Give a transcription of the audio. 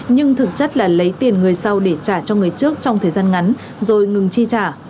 nhưng thực chất là lấy tiền người sau để trả cho người trước trong thời gian ngắn rồi ngừng chi trả